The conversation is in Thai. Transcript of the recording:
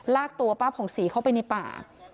ลากตัวป้าผ่องศรีเข้าไปในป่า